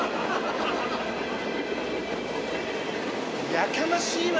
やかましいわ！